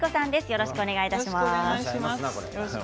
よろしくお願いします。